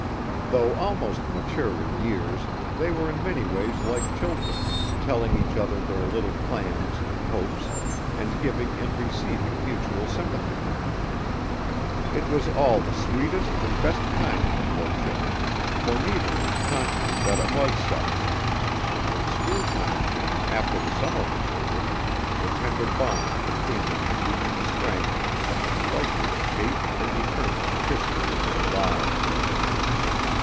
Though almost mature in years, they were in many ways like children, telling each other their little plans and hopes, and giving and receiving mutual sympathy. It was all the sweetest and best kind of a courtship, for neither was conscious that it was such, and when schooltime came after the summer was over, the tender bond between them had reached a strength that was likely to shape and determine the history of their lives.